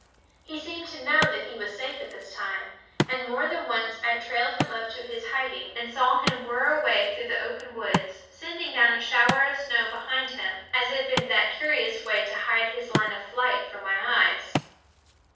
He seemed to know that he was safe at this time, and more than once I trailed him up to his hiding and saw him whirr away through the open woods, sending down a shower of snow behind him, as if in that curious way to hide his line of flight from my eyes.